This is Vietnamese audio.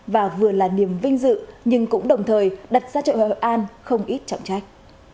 và vừa là niềm vinh dự nhưng cũng đồng thời đặt ra chợ hội an không ít trọng trách